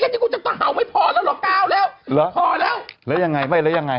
นี่กูจะเห่าไม่พอแล้วเหรอกาวแล้วเหรอพอแล้วแล้วยังไงไม่แล้วยังไง